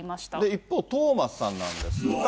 一方、トーマスさんなんですが。